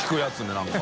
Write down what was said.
何か。